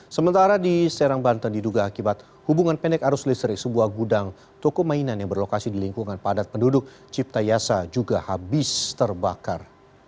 sementara di serang banten diduga akibat hubungan pendek arus listrik sebuah gudang toko mainan yang berlokasi di lingkungan padat penduduk cipta yasa juga habis terbakar